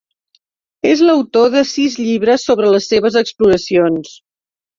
És l'autor de sis llibres sobre les seves exploracions.